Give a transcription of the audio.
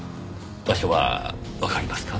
場所はわかりますか？